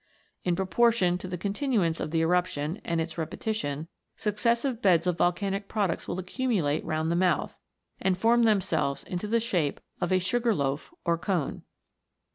In proportion to the continuance of the eruption, and its repetition, successive beds of vol canic products will accumulate round the mouth, and form themselves into the shape of a sugar loaf or cone.